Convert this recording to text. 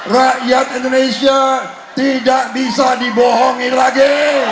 rakyat indonesia tidak bisa dibohongi lagi